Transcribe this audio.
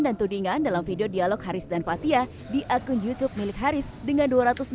dan tudingan dalam video dialog haris dan fathia di akun youtube milik haris dengan